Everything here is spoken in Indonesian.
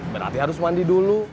berarti harus mandi dulu